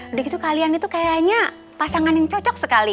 udah gitu kalian itu kayaknya pasangan yang cocok sekali